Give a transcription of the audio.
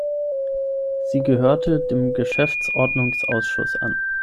Sie gehörte dem Geschäftsordnungsausschuss an.